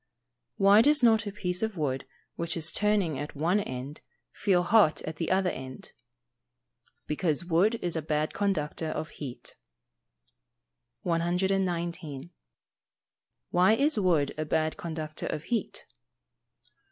Why does not a piece of wood which is turning at one end, feel hot at the other end? Because wood is a bad conductor of heat. 119. _Why is wood a bad conductor of heat?